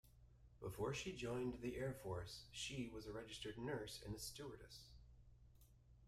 Before she joined the Air Force she was a registered nurse and a stewardess.